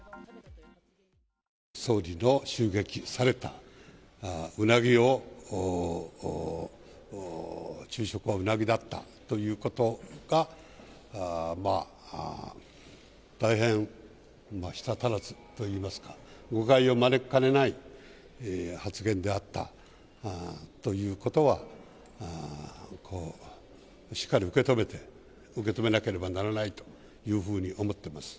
総理が襲撃された、うなぎを、昼食はうなぎだったということが、まあ、大変、舌足らずといいますか、誤解を招きかねない発言であったということは、こう、しっかり受け止めて、受け止めなければならないというふうに思っています。